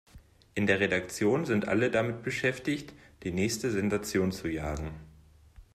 In der Redaktion sind alle damit beschäftigt, die nächste Sensation zu jagen.